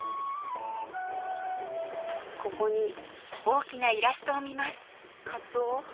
ここにカツオ。